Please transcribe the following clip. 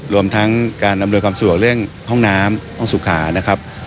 รวมทั้งการอำนวยความสะดวกเรื่องห้องน้ำห้องสุขานะครับ